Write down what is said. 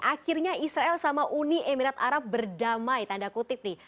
akhirnya israel sama uni emirat arab berdamai tanda kutip nih